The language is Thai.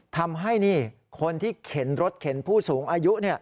ทำให้คนที่เข็นรถเข็นผู้สูงอายุ